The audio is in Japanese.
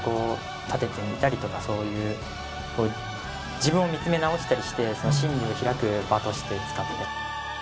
自分を見つめ直したりして真理を開く場として使っています。